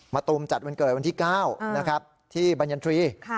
ตูมจัดวันเกิดวันที่๙นะครับที่บรรยันทรี